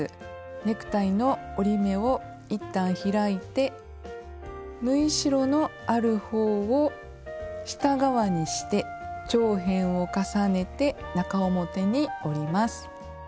ネクタイの折り目をいったん開いて縫い代のある方を下側にして長辺を重ねて中表に折ります。